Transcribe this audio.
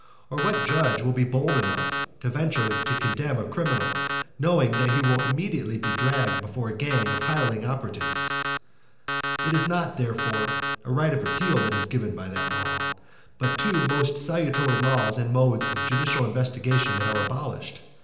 or what judge will be bold enough to venture to condemn a criminal, knowing that he will immediately be dragged before a gang of hireling operatives? It is not, therefore, a right of appeal that is given by that law, but two most salutary laws and modes of judicial investigation that are abolished.